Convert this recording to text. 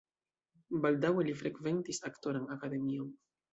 Baldaŭe li frekventis aktoran akademion.